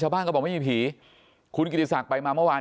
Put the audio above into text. บ้านก็บอกไม่มีผีคุณกิติศักดิ์ไปมาเมื่อวาน